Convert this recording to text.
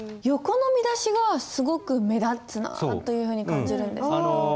横の見出しがすごく目立つなというふうに感じるんですけど。